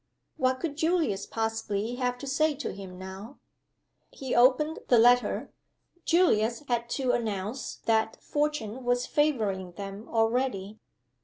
What could Julius possibly have to say to him now? He opened the letter. Julius had to announce that Fortune was favoring them already.